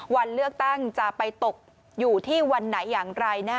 วันเลือกตั้งจะไปตกอยู่ที่วันไหนอย่างไร